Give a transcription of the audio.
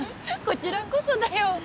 こちらこそだよ。